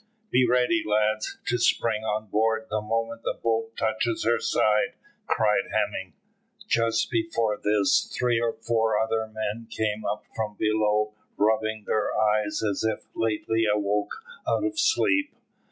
"Be ready, lads, to spring on board the moment the boat touches her side," cried Hemming. Just before this three or four other men came up from below rubbing their eyes as if lately awoke out of sleep.